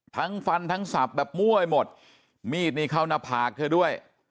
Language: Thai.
ทั้งฟันทั้งศัพท์แบบม่วยหมดมีดนี้เข้าหน้าผากเธอด้วย